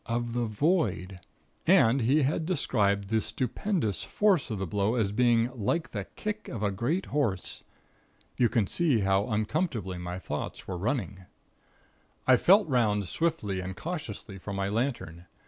of the void. And he had described the stupendous force of the blow as being 'like the kick of a great horse.' You can see how uncomfortably my thoughts were running. "I felt 'round swiftly and cautiously for my lantern.